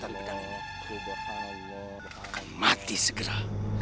makan mati segera